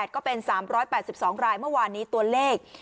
ก็เป็น๓๘๒รายเมื่อวานนี้ตัวเลข